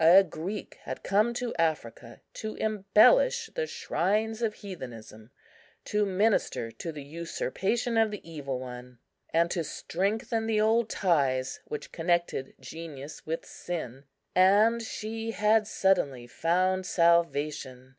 A Greek had come to Africa to embellish the shrines of heathenism, to minister to the usurpation of the evil one, and to strengthen the old ties which connected genius with sin; and she had suddenly found salvation.